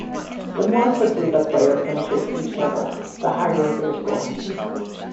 The more quickly the player finishes each level, the higher their score.